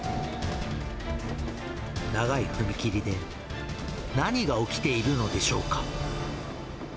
長い踏切で、何が起きているのでしょうか。